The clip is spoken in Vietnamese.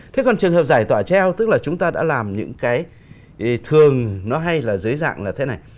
thế còn trường hợp giải tỏa treo tức là chúng ta đã làm những cái thường nó hay là dưới dạng là thế này